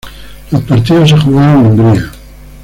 Los partidos se jugaron en Hungría.